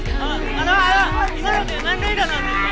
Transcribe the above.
あのあの今のって何塁打なんですか？